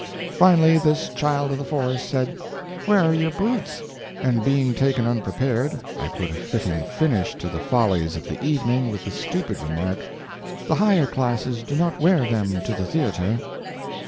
Finally, this child of the forest said, "Where are your boots?" and being taken unprepared, I put a fitting finish to the follies of the evening with the stupid remark, "The higher classes do not wear them to the theater."